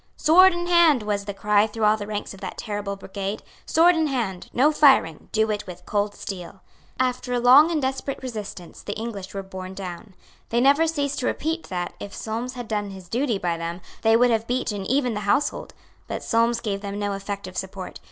"Sword in hand," was the cry through all the ranks of that terrible brigade: "sword in hand. No firing. Do it with the cold steel." After a long and desperate resistance the English were borne down. They never ceased to repeat that, if Solmes had done his duty by them, they would have beaten even the household. But Solmes gave them no effective support.